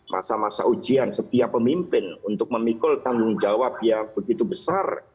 masa masa ujian setiap pemimpin untuk memikul tanggung jawab yang begitu besar